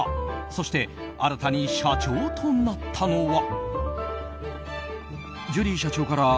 そして新たに社長となったのは。